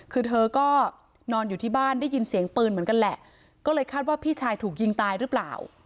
คือเธอก็นอนอยู่ที่บ้านได้ยินเสียงปืนเหมือนกันแหละก็เลยคาดว่าพี่ชายถูกยิงตายหรือเปล่า